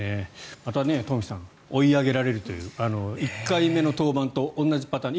また東輝さん追い上げられるという１回目の登板と同じパターン。